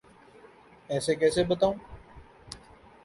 ایسے کیسے بتاؤں؟